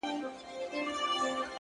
د څلورو مخلوقاتو گډ آواز دی _